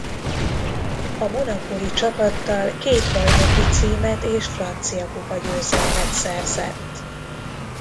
A monacói csapattal két bajnoki címet és franciakupa-gyözelmet szerzett.